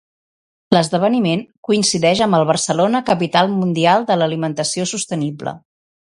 L'esdeveniment coincideix amb el Barcelona Capital Mundial de l'Alimentació Sostenible.